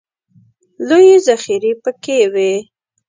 لویې ذخیرې پکې وې.